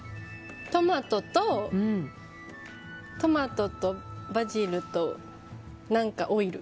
トマトとバジルと何かオイル。